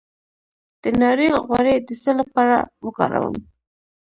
د ناریل غوړي د څه لپاره وکاروم؟